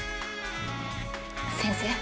先生。